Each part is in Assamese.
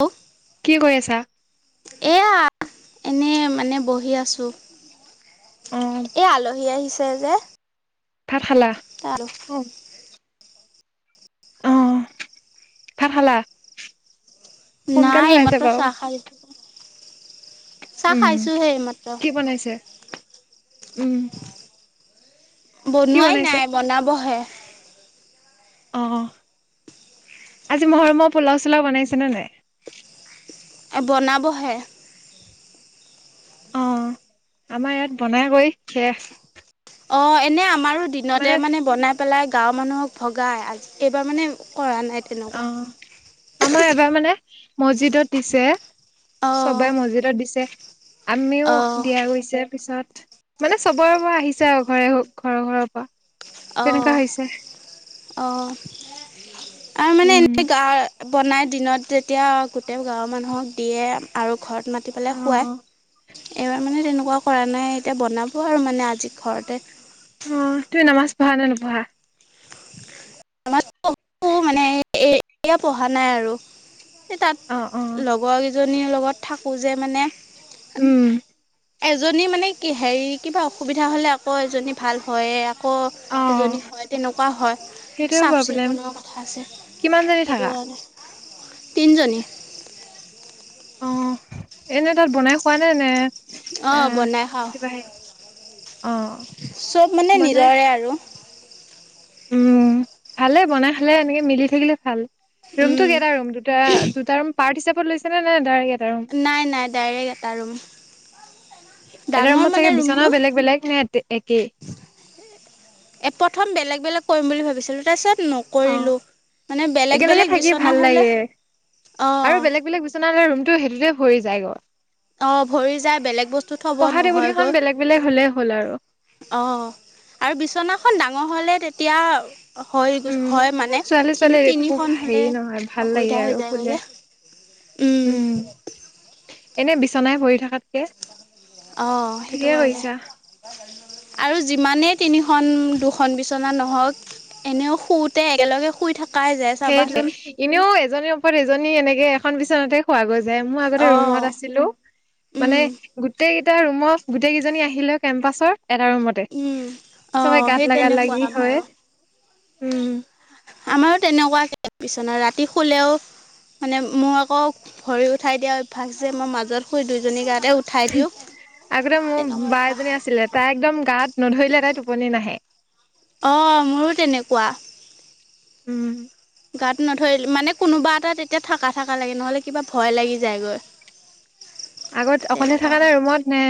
অ কি কৰি আছা এয়া এনে মানে বহি আছো অ', এ আলহী আহিছে যে ফালা তালো অ অ', ভাত খালা সোনকাল হৈ আছে বাউ আই উম, এইমাত্ৰ। কি বনাইছে উম, কি বনোৱাই বনাইছে? নাই বনাবহে। অ'আজি মহৰমৰ পোলাও চোলাও বনাইছে নে নাই? এ বনাবহে। অ' আমাৰ ইয়াত বনাই কৰি শেষ। অ' এনে আমাৰো দিনতে মানে বনাই পেলাই গাঁৱৰ মানুহক ভগাই আজি এইবাৰ মানে কৰা নাই অ তেনেকুৱা। আমাৰ এবাৰ মানে মছজিদত দিছে অ' চবে মছজিদত দিছে। আমিও অ' দিয়া গৈছে পিছত। মানে চবৰে পৰা আহিছে আৰু ঘৰে ঘৰৰ, ঘৰৰ পৰা। তেনেকুৱা হৈছে অ'অ'আৰু মানে উম। এনে গা বনাই দিনত যেতিয়া গোটেই গাঁৱৰ মানুহক দিয়ে আৰু ঘৰত মাতি অ পেলাই খুৱাই। এইবাৰ মানে তেনেকুৱা কৰা নাই এতিয়া বনাব আৰু মানে আজি ঘৰতে। অ'তুমি নামাজ পঢ়া নে নপঢ়া? [unintelligible] এয়া পঢ়া নাই আৰু এ অ অ তাত লগৰ কেইজনীৰ লগত থাকোঁ যে মানে। উম, এজনী মানে কি হেৰি কিবা অসুবিধা হ'লে আকৌ এজনী ভাল হয়ে আকৌ অ এজনী হয় তেনেকুৱা হয় সেইটোৱে চাফ- প্ৰব্লেম চিকুণৰ কথা আছে। কিমান জনী সেইটো থাকা কাৰণে তিনজনী অ এনে তাত বনাই খোৱা নে, নে এ অঁ বনাই খাওঁ কিবা হে অ' বনাই এ আৰু উম, ভালে বনাই খালে এনেকে মিলি থাকিলে ভাল। ৰুম উম কেইটা ৰুম দুটা, দুটা ৰুম পাৰট হিচাপত লৈছে নে, নে ডাইৰেক্ট এটা ৰুম? নাই, নাই ডাইৰেক্ট এটা ৰুম। এটা ডাঙৰ ৰুমত মানে চাগে ৰুমটো বিচনাও বেলেগ, বেলেগ নে এতে একেই? এ প্ৰথম বেলেগ, বেলেগ কৰিম বুলি ভাবিছিলো তাৰপিছত নক অ কৰিলোঁ মানে বেলে, একেলগে বেলেগ থাকি ভাল বিচনা হ'লে অ'। বিচনালে ৰুমটো সেইটোতে ভৰি যায় গৈ। অ' ভৰি যায় বেলেগ বস্তু থব পঢ়া টেবুল কেইখন নহয়গৈ। বেলেগ বেলেগ হ'লেই হ'ল আৰু অ' আৰু বিচনাখন ডাঙৰ হ'লে তেতিয়া হয় উম [unintelligible] হয় মানে ছোৱালী ছোৱালী কিন্তু একো তিনিখন হেৰি হ'লে নহয় ভাল লাগে অসুবিধা আৰু হৈ যায় গৈ শুলে যে। উম, এনে বিচনাই ভৰি থাকাতকে অ' সেইটো কাৰণে। আৰু যিমানেই তিনিখন, দুখন বিচনা নহওক এনেও শুওঁতে একেলগে শুই থাক সেইটোৱে এনেও এজনীৰ ওপৰত এজনী এনেকে এখন বিচনাতে শুৱা গৈ যায় মই আগতে অ', ৰুমত আছিলোঁ মানে উম, গোটেইকেইটা ৰুমত গোটেই কেইজনী আহিলে এটা ৰুমত তে উম, চবে অ', সেই গাত লাগা তেনেকুৱা লাগি হয় আমাৰো। উম, আমাৰো তেনেকুৱাকে বিছনা ৰাতি শুলেও মানে মোৰ আকৌ ভৰি উঠাই দিয়া অভ্যাস যে মই মাজত শুই দুইজনী গাতে উঠ আগতে মোৰ বা অভ্যাস এজনী আছিলে তাই একদম গাত নধৰিলে তাই টোপনি নাহে। অ মোৰো তেনেকুৱা। উম। গাত নধৰি মানে কোনোবা এটা তেতিয়া থাকা থাকা লাগে নহ'লে কিবা ভয় লাগি যায়গৈ। আগত অকলে তেনেকুৱা থাকা নে হয় ৰুমত নে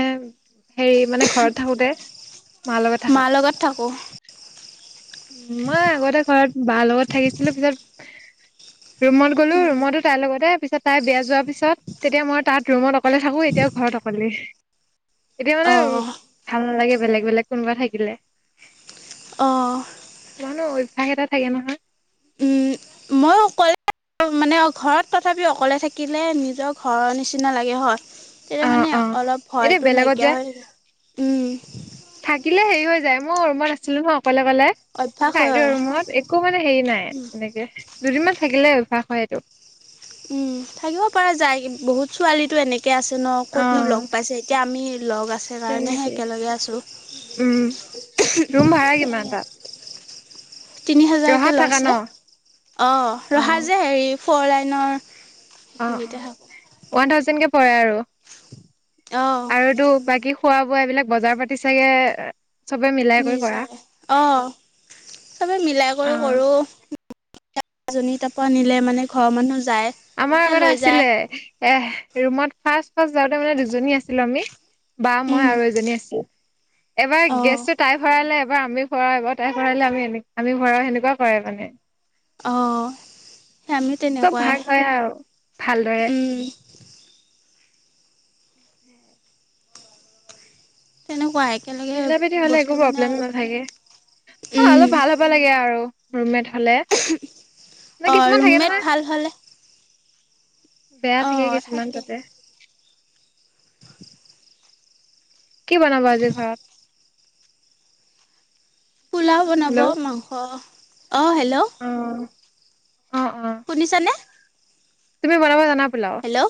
হেৰি মানে ঘৰত থাকোতে মা লগত থাক মাৰ লগত থাকোঁ। মই আগতে ঘৰত বা লগত থাকিছিলো পিছত ৰুমত গ'লো ৰুমতো তাইৰ লগতে পিছত তাই বেয়া যোৱাৰ পিছত তেতিয়া মই তাত ৰুমত অকলে থাকো এতিয়াও ঘৰত অকলেই। এতিয়া মানে অ' ভাল নালাগে, বেলেগ বেলেগ কোনোবা থাকিলে। অ। মানুহ অভ্যাস এটা থাকে নহয়। উম মই অকলে মানে ঘৰত তথাপি অকলে থাকিলে নিজৰ ঘৰৰ নিচিনা লাগে হয়। তেতিয়া অ মানে অ অলপ এতিয়া ভয়তো বেলেগত নাইকিয়া যে হয়, উম। থাকিলে হেৰি হৈ যায়, মই ৰুমত আছিলো নহয় অকলে অকলে। অভ্যাস চাইদৰ হয় ৰুমত, একো মানে হেৰি নাই এনেকে দুদিনমান থাকিলে অভ্যাস হয় এইটো। উম থাকিব পাৰা যায় বহুত ছোৱালীটো এনেকে কে আছে ন, অ ক'তনো লগ পাইছে এতিয়া আমি লগ আছে কাৰণেহে তেনেকে একেলগে আছোঁ। উম ভাড়া কিমান তাত? তিনি হাজাৰকে ৰহাত থাকা ন লৈছে, অ ৰহা যে হেৰি ফ'ৰ লাইনৰ অ অ সেইখিনিতে থাকো ওৱান থাউজেণ্ডকে পৰে আৰু। অ। তো বাকী খোৱা-বোৱা এইবিলাক বজাৰ পাতি চাগে চবে মিলাই কৰি কৰা নিজৰে, অ আমি মিলাই কৰেও অ', কৰো। [unintelligible] নিলে মানে ঘৰৰ মানুহ যায়। আমাৰ তেতিয়া আগতে লৈ যায় আছিলে এ ৰুমত ফাৰ্ষ্ট-ফাৰ্ষ্ট যাওঁতে মানে দুজনী আছিলো আমি বা মই উম আৰু এজনী আছিলো, এবাৰ অ গেছটো তাই ভৰাইলে এবাৰ আমি ভৰাই তাই ভৰাইলে আমি আমি ভৰাই সেনেকুৱা কৰে মানে। অ, সেয় আমি চব তেনেকুৱাই। ভাগ হয় আৰু ভালদৰে উম তেনেকুৱাই একেলগে মিলাপ্ৰীতি হ'লে একো বস্তু মানে প্ৰব্লেম আৰু নাথাকে। অ উম অলপ ভাল হ'ব লাগে আৰু ৰুমমেট হ'লে। এনে অ কিছুমান থাকে ৰুমমেট নহয় ভাল হ'লে বেয়া অ থাকে কিছুমান থাকে তাতে। কি বনাব আজি ঘৰত? পোলাও বনাব হেল্ল' মাংস, অ হেল্ল'। অ', অ', অ'। শুনিছানে? তুমি বনাব জানা পেলাও? হেল্ল'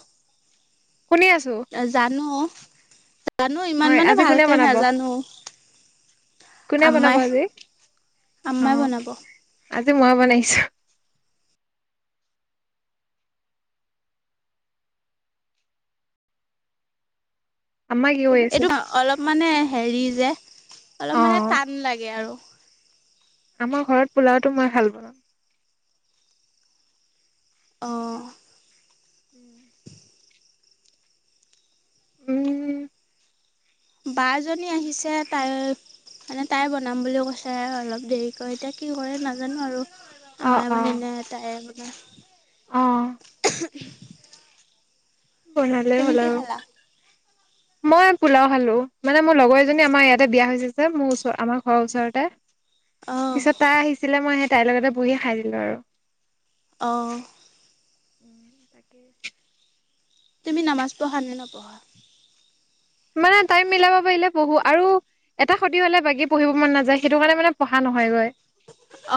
শুনি আছো। জানো। জানো ইমান হয় মানে আজি কোনে ভালকে বনাব নাজানো। কোনে বনাব আম্মাই, আজি অ আম্মাই বনাব। আজি মই বনাইছো। আম্মাই কি কৰি এইটো আছে? অলপ মানে হেৰি যে, অ অলপ মানে টান লাগে আৰু। আমাৰ ঘৰত পোলাওটো মই ভাল বনাও। অ'। উম। উম। বা জনী আহিছে, তাই মানে তাই বনাম বুলিও কৈছে অলপ দেৰিকৈ, এতিয়া কি কৰে নাজানো আৰু। অ মায়ে অ বনাই নে তাইয়েই বনাই। অ'। বনালেই তুমি হ'ল কি আৰু। খালা মই পোলাও খালো, মানে মোৰ লগৰ এজনী আমাৰ ইয়াতে বিয়া হৈছে যে, মোৰ ওচৰ, আমাৰ ঘৰৰ ওচৰতে। অঁ পিছত তাই আহিছিলে মই সেই তাইৰ লগতে বহি খাই দিলো আৰু। অ'। তাকেই। তুমি নামাজ পঢ়া নে নপঢ়া? মানে টাইম মিলাব পাৰিলে পঢ়ো আৰু এটা ক্ষতি হ'লে বাকী পঢ়িব মন নাযায়, সেইটো কাৰণে মানে পঢ়া নহয়গৈ।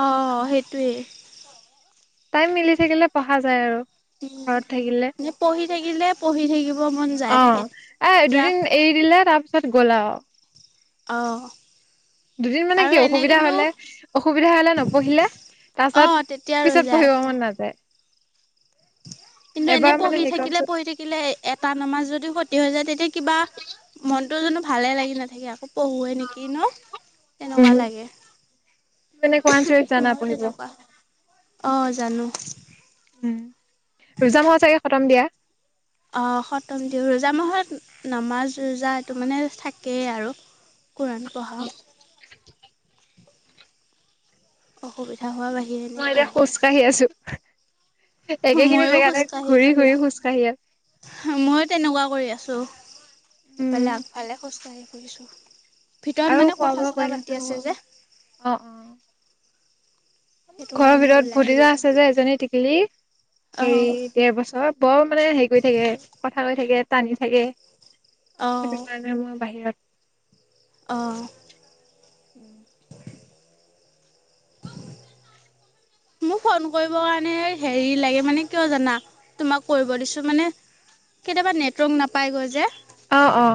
অ' সেইটোৱে। তাইম মিলি থাকিলে পঢ়া যায় আৰু। উম, ঘৰত থাকিলে এনে পঢ়ি থাকিলে, পঢ়ি থাকিব মন অ যায় থাকে, এ তেতিয়া দুদিন এৰি দিলে, তাৰ পিছত গ'ল আও। অ'। দুদিন মানে কি অসুবিধা হ'লে, অসুবিধা হ'লে নপঢ়িলে তাৰপাছত অঁ তেতিয়া ৰৈ পিছত যায় পঢ়িব মন নাযায়। কিন্তু এনে এবাৰ মানে পঢ়ি হেৰি কৰা থাকিলে পিছত পঢ়ি থাকি থাকিলে এটা নমাজ যদি ক্ষতি হৈ যায়, তেতিয়া কিবা মনটো জানো ভালেই লাগি নাথাকে, আকৌ পঢ়োৱে নেকি ন, তেনেকুৱা লাগে। কোৰান চৰীত জানা পহৰিব। অ'জানো। উম, [unintelligible] হোৱা চাগে খতম দিয়া। অ', সপ্তম দিওঁ, ৰোজা মাহত নমাজ ৰোজা এইটো মানে থাকেই আৰু। কিৰান পঢ়া। অসুবিধা হোৱাৰ বাহিৰে এনে পঢ়োঁ। আহি আছো। একেখিনি ময়ো জেগাতে খোজ কাঢ়ি, ঘূৰি ঘূৰি খোজ কাঢ়ি আছো ময়ো তেনেকুৱা কৰি আছো। উম ইফালে আগফালে খোজকাঢ়ি ফুৰিছোঁ, ভিতৰত আৰু মানে খোৱা বোৱা কৰি কথা-চথা পাতি নাথাকো আছে আও যে। অ', অ'। সেইটো ঘৰৰ কাৰণে ভিতৰত ওলাই ভতিজা আহিছোঁ আছে যে এজনী টিকলি, হেৰি অঁ দেৰ বছৰ বৰ মানে হেৰি কৰি থাকে, কথা কৈ থাকে, টানি থাকে। অঁ সেইটো কাৰণে মই বাহিৰত। অ'। [inaudible] মোক ফোন কৰিব কাৰণে হেৰি লাগে, মানে কিয় জানা, তোমাক কৰিব দিছো মানে কেতিয়াবা নেটৱৰ্ক নাপায় গৈ যে। অ', অ'।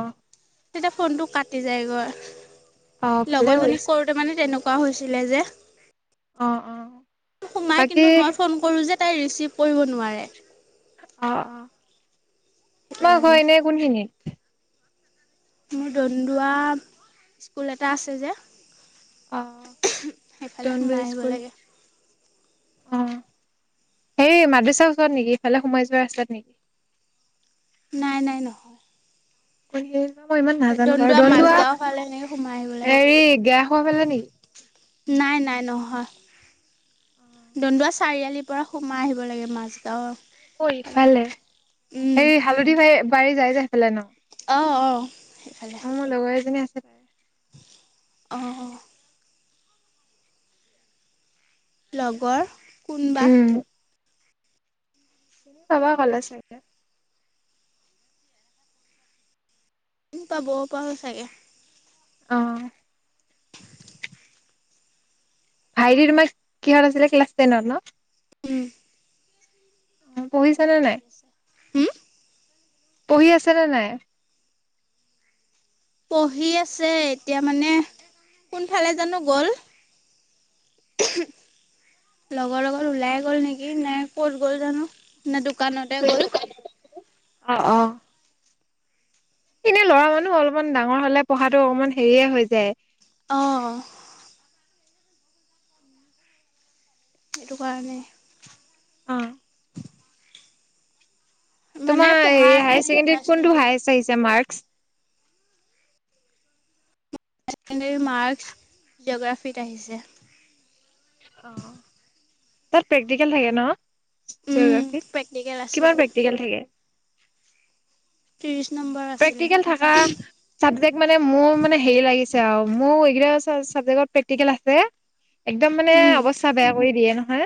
তেতিয়া ফোনটো কাটি যায় গৈ, অ', ভালে লগৰজনীক কৰিছে কৰ ত মানে তেনেকুৱা হৈছিলে যে। অঁ অঁ। সোমাই কিন্তু মই ফোন কৰোঁ যে তাই ৰিচিভ কৰিব নোৱাৰে। অ অ, সেইটো তোমাৰ কাৰণে ঘৰ এনেই কোনখিনিত? মোৰ দন্দোৱা স্কুল এটা আছে যে। অঁ সেইফালে সোমাই তনদোৱা আহিব স্কুল। লাগে অঁ সেই মাদ্ৰাছাৰ ওচৰত নেকি ইফালে সোমাই যোৱা ৰাস্তাত নেকি? নাই নাই নহয়। সেই নহয় মই ইমান নাজানো বাৰু, দন্দুৱা দনদোৱা মাজগাঁও ফালে সেনেকে সোমাই আহিব লাগে হেৰি গেয়া খোৱা ফালে নেকি? নাই নাই নহয়। দন্দোৱা চাৰিআলিৰ পৰা সোমাই আহিব লাগে মাজগাঁৱৰ। অ ইফালে, এই হালধি বাৰী যাই যে সেইফালে ন। অঁ অঁ। সেইফালে মোৰ লগৰ এজনী আছে। তাই অঁ অঁ। লগৰ কোনবা? উম, চিনি পাবা কলেজ আহিলে। পাবও পাৰো চাগে। অঁ'। [unintelligible] ভাইটী তোমাৰ কিহত আছিলে? ক্লাছ টেনত ন। উম। পঢ়িছা নে নাই? পঢ়ি আছে হুম পঢ়ি আছে নে নাই? পঢ়ি আছে, এতিয়া মানে কোনফালে জানো গ'ল? লগৰ লগত ওলাই গ'ল নেকি নে ক'ত গ'ল জানো? নে দোকানতে গ'ল? অঁ অঁ। এনেই ল'ৰা মানুহ অলমান ডাঙৰ হ'লে পঢ়াটো অকমান হেৰিয়ে হৈ যায়। অঁ। এইটো কাৰণে। মানে তোমাৰ পঢ়াত হায়াৰ ইমান ইণ্টাৰেষ্ট ছেকেণ্ডেৰীত কোনটো নিদিয়ে যে হাইয়েছ আহিছে মাৰ্ক্স? হায়াৰ চেকেণ্ডেৰীৰ মাৰ্ক্স জোগ্ৰাফিত আহিছে। অঁহ, তাত প্ৰেক্টিকেল থাকে ন? উম জোগ্ৰাফিত, প্ৰেক্টিকেল আছিল কিমান প্ৰেক্টিকেল থাকে? ত্ৰিছ নম্বৰ। আছিলে প্ৰেক্টিকেল থাকা- চাব্জেক্ট মানে মোৰ মানে হেৰি লাগিছে আৰু মোৰ এইকেইটা চা চাব্জেক্টত প্ৰেক্টিকেল আছে- একদম মানে উম অৱস্থা বেয়া কৰি দিয়ে নহয়।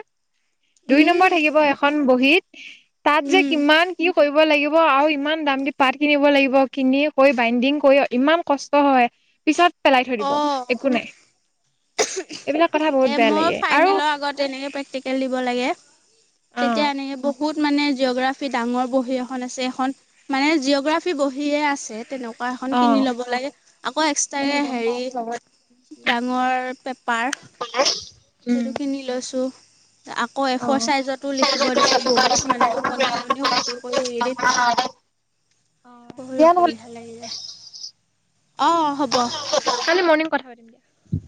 দুই নম্বৰ উম থাকিব এখন বহীত, তাত যে উম কিমান কি কৰিব- ৰিব লাগিব আৰু ইমান দাম দি পাঠ- কিনিব লাগিব, কিনি কৰি বাইণ্ডিং কৰিও ইমান কষ্ট হয়। পিছত- পেলাই থৈ দিব, অ' একো নাই। এইবিলাক কথা বহুত এ বেয়া মোৰ লাগে আৰু ফাইনেলৰ আগত এনেকে প্ৰেক্টিকেল দিব লাগে। অ তেতিয়া এনেকে বহুত মানে জিঅ'গ্ৰাফী ডাঙৰ বহী এখন আছে এখন- মানে জিঅগ্ৰাফী বহীয়ে আছে তেনেকুৱা এখন অ কিনি ল'ব লাগে, আকৌ উম এক্সট্ৰাকে- গম হেৰি পাম লগত ডাঙৰ পেপাৰ উম সেইটো কিনি লৈছোঁ। আক আকৌ অ এফৰ চাইজটো লিখিব দিছে বহুত মানে টোপনি চপনিও ক্ষতি কৰি ৰেদী। অ বহু দিয়া নহ'লে অসুবিধা লাগিলে। অঁ হ'ব। কালি মৰ্ণিং কথা পাতিম।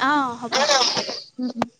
অঁ হ'ব। [unintelligible]